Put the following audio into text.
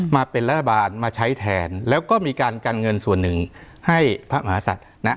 มาเป็นรัฐบาลมาใช้แทนแล้วก็มีการกันเงินส่วนหนึ่งให้พระมหาศัตริย์นะ